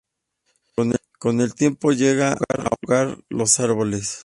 Con el tiempo llega a ahogar los árboles.